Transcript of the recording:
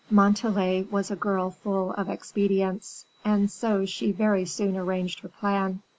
Montalais was a girl full of expedients, and so she very soon arranged her plan.